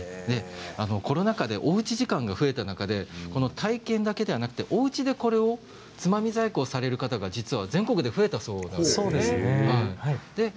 コロナ禍でおうち時間が増えた中で体験だけではなく、おうちでつまみ細工をされる方が実は全国で増えたそうですね。